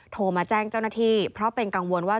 โทรมาแจ้งเจ้าหน้าที่เพราะเป็นกังวลว่า